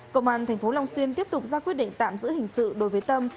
công an tp long xuyên tiếp tục ra quyết định tạm giữ hình sự đối với tâm